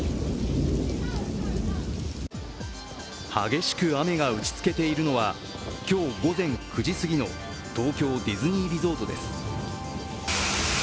激しく雨が打ちつけているのは今日午前９時すぎの東京ディズニーリゾートです。